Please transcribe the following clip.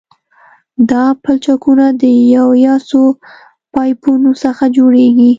دا پلچکونه د یو یا څو پایپونو څخه جوړیږي